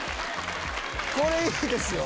これいいですよ。